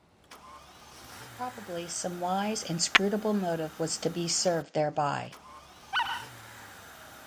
Probably some wise, inscrutable motive was to be served thereby.